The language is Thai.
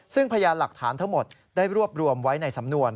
ซึ่งพยานหลักฐานทั้งหมดได้รวบรวมไว้ในสำนวน